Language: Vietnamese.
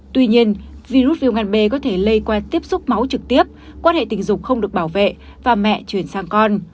tuy nhiên virus viêm gan b có thể lây qua tiếp xúc máu trực tiếp quan hệ tình dục không được bảo vệ và mẹ chuyển sang con